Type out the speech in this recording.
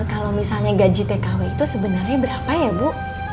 kalau misalnya gaji tkw itu sebenarnya berapa ya bu